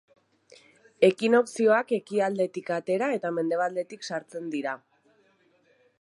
Ekinokzioak ekialdetik atera eta mendebaldetik sartzen dira.